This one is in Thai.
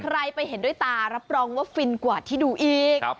ไปเห็นด้วยตารับรองว่าฟินกว่าที่ดูอีก